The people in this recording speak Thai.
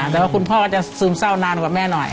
แต่ว่าคุณพ่อก็จะซึมเศร้านานกว่าแม่หน่อย